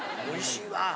おいしいわ！